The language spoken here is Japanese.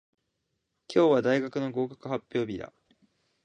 今日は大学の合格発表日だ。